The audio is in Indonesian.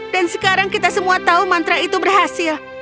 dan sekarang kita semua tahu mantra itu berhasil